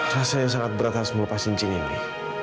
rasanya sangat berat harus melepas cincin ini